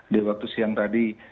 lima sembilan di waktu siang tadi